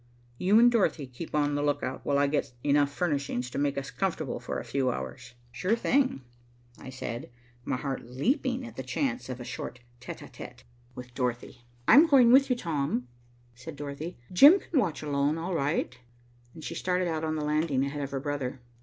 You and Dorothy keep on the lookout, while I get enough furnishings to make us comfortable for a few hours." "Sure thing," I said, my heart leaping up at the chance of a short tête à tête with Dorothy. "I'm going with you, Tom," said Dorothy. "Jim can watch alone, all right," and she started out on the landing ahead of her brother.